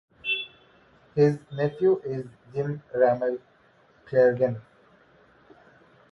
His nephew is Jim Ramel Kjellgren.